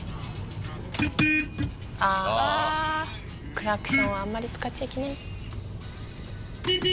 クラクションあんまり使っちゃいけない。